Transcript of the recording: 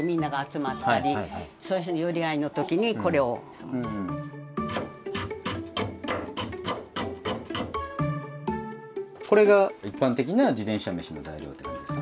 そこではこれが一般的な自転車めしの材料って感じですか？